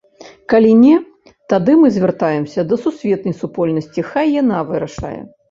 Калі не, тады мы звяртаемся да сусветнай супольнасці, хай яна вырашае.